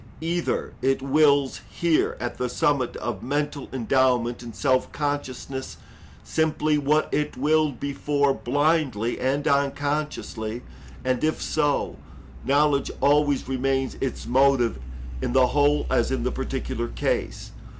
Either it wills here, at the summit of mental endowment and self consciousness, simply what it willed before blindly and unconsciously, and if so, knowledge always remains its motive in the whole as in the particular case.